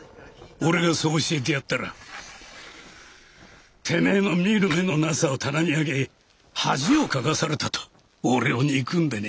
俺がそう教えてやったらてめえの見る目のなさを棚に上げ恥をかかされたと俺を憎んでね。